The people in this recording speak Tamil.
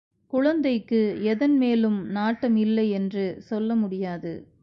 குழந்தைக்கு எதன் மேலும் நாட்டம் இல்லை என்று சொல்ல முடியாது.